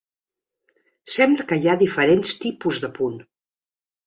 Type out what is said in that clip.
Sembla que hi ha diferents tipus de punt.